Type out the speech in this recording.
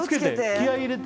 気合い入れて。